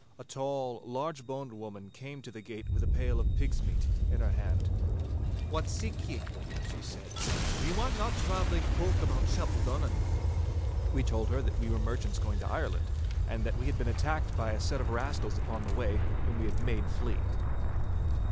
A tall, large boned woman came to the gate with a pail of pigs' meat in her hand. 'What seek ye?' she said. 'We want nae travelling folk about Chapeldonnan.' We told her that we were merchants going to Ireland, and that we had been attacked by a set of rascals upon the way, whom we had made flee.